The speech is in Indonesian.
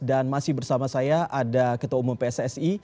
masih bersama saya ada ketua umum pssi